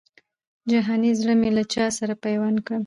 جهاني زړه مي له چا سره پیوند کړم